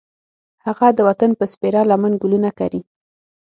هغه د وطن په سپېره لمن ګلونه کري